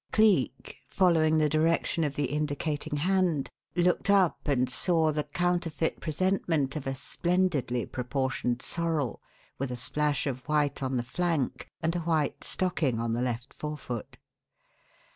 Cleek, following the direction of the indicating hand, looked up and saw the counterfeit presentment of a splendidly proportioned sorrel with a splash of white on the flank and a white "stocking" on the left forefoot.